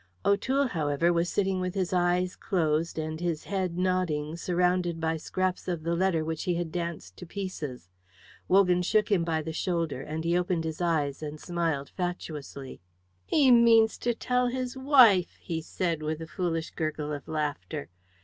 O'Toole, however, was sitting with his eyes closed and his head nodding, surrounded by scraps of the letter which he had danced to pieces. Wogan shook him by the shoulder, and he opened his eyes and smiled fatuously. "He means to tell his wife," he said with a foolish gurgle of laughter.